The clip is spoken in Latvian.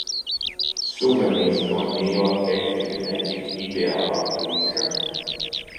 Suvenīrs no Nīla Kefrija ne tik ideālā brīža?